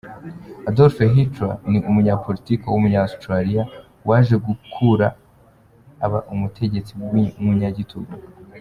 Adolf Hitler ni umunyapolitiki w’umunya Austria , wajegukura aba umutegetsi w’umunyagitugu.